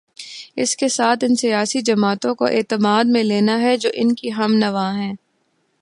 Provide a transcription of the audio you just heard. اس کے ساتھ ان سیاسی جماعتوں کو اعتماد میں لینا ہے جو ان کی ہم نوا ہیں۔